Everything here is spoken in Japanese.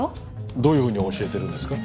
どういうふうに教えてるんですか？